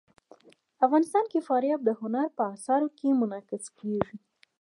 افغانستان کې فاریاب د هنر په اثار کې منعکس کېږي.